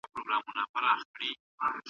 او بیا یې واستوئ.